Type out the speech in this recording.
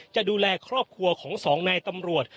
จะดูแลครอบครัวของสองนายตำรวจ